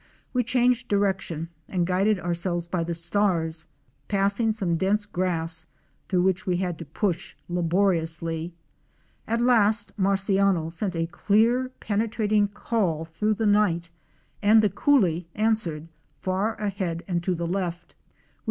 We changed direction and guided ourselves by the stars, passing some dense grass through which we had to push laboriously. At last Marciano sent a clear, penctrating call through the night and the coolie answered, far ahead and to the left.